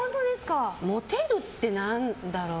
モテるって何だろう。